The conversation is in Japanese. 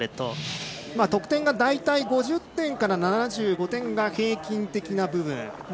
得点が大体５０点から７５点が平均的な部分。